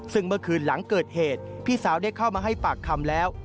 ซึ่งเมื่อคืนหลังเกิดเหตุพี่สาวได้เข้ามาให้ปากคำแล้ว